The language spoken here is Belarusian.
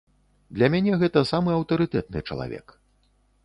Для мяне гэта самы аўтарытэтны чалавек.